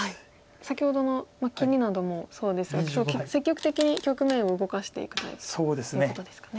先ほどの切りなどもそうですが積極的に局面を動かしていくタイプということですかね。